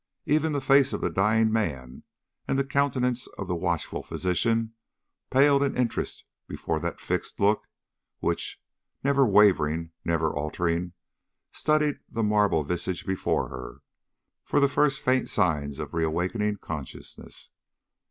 Even the face of the dying man and the countenance of the watchful physician paled in interest before that fixed look which, never wavering, never altering, studied the marble visage before her, for the first faint signs of reawakening consciousness.